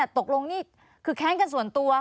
ตกลงคือแค้นส่วนตัว